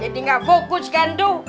jadi gak fokus kan tuh